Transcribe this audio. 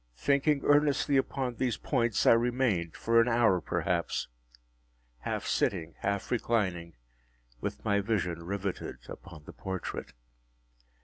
Thinking earnestly upon these points, I remained, for an hour perhaps, half sitting, half reclining, with my vision riveted upon the portrait.